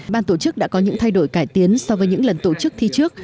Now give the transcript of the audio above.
ban tổ chức đã có những thay đổi cải tiến so với những lần tổ chức thi trước